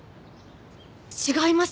違います。